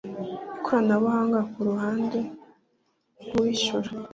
ikoranabuhanga ku ruhande rw uwishyura